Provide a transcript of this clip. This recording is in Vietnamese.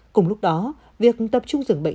cùng lúc đó việc tập trung giường bệnh